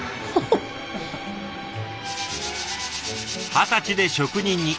二十歳で職人に。